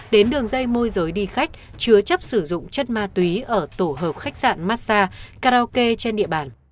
đến đường dây môi giới đi khách chứa chấp sử dụng chất ma túy ở tổ hợp khách sạn massage karaoke trên địa bàn